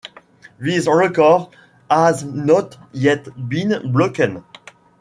This record has not yet been broken.